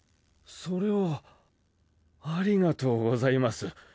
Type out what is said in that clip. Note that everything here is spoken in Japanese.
それはありがとうございます。